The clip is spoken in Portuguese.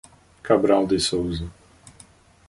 Cabral de Souza